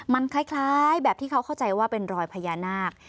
มันคล้ายแบบที่เขาเข้าใจว่าเป็นรอยพญานาค